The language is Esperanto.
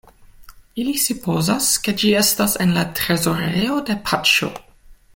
Ili supozas ke ĝi estas en la trezorejo de Paĉjo.